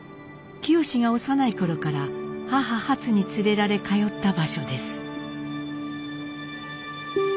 清が幼い頃から母ハツに連れられ通った場所です。